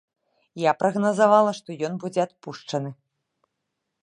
Я прагназавала, што ён будзе адпушчаны.